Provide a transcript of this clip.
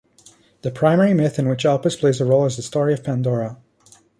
The primary myth in which Elpis plays a role is the story of Pandora.